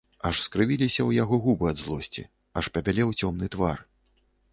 Аж скрывіліся ў яго губы ад злосці, аж пабялеў цёмны твар.